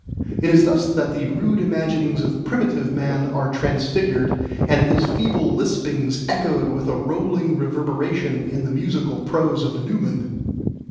It is thus that the rude imaginings of primitive man are transfigured and his feeble lispings echoed with a rolling reverberation in the musical prose of Newman.